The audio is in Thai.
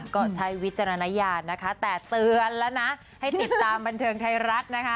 ก็ใช้วิจารณญาณนะคะแต่เตือนแล้วนะให้ติดตามบันเทิงไทยรัฐนะคะ